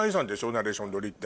ナレーション録りって。